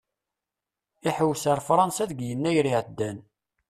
Ihewwes ar Fransa deg Yennayer iɛeddan.